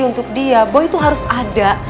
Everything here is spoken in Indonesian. untuk dia bahwa itu harus ada